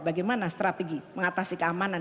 bagaimana strategi mengatasi keamanan